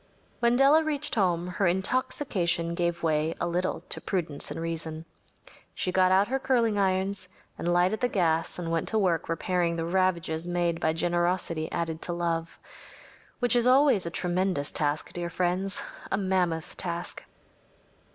When Della reached home her intoxication gave way a little to prudence and reason. She got out her curling irons and lighted the gas and went to work repairing the ravages made by generosity added to love. Which is always a tremendous task, dear friends‚ÄĒa mammoth task.